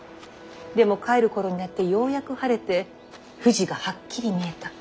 でも帰る頃になってようやく晴れて富士がはっきり見えた。